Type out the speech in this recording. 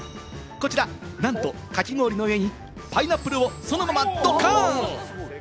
こちら、なんとかき氷の上にパイナップルをそのままドカン！